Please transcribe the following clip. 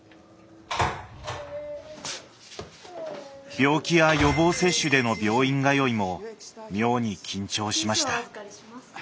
病気や予防接種での病院通いも妙に緊張しました。